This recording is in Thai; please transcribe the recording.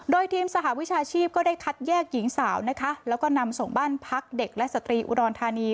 โดยทีมสหวิชาชีพก็ได้คัดแยกหญิงสาวนะคะแล้วก็นำส่งบ้านพักเด็กและสตรีอุดรธานี